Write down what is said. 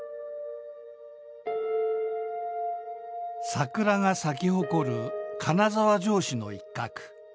「桜が咲き誇る金沢城址の一角。